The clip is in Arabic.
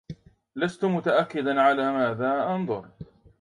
لست متأكدا على ماذا أنظر.